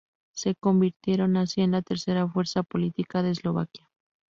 Se convirtieron así en la tercera fuerza política de Eslovaquia.